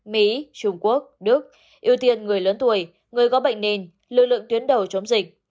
mỹ trung quốc đức ưu tiên người lớn tuổi người có bệnh nền lưu lượng tuyến đầu chống dịch